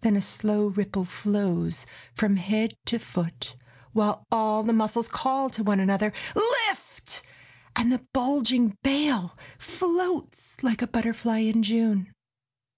Then a slow ripple flows along the body, While all the muscles call to one another :" Lift !" and the bulging bale Floats like a butterfly in June.